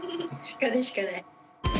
シカでしかない。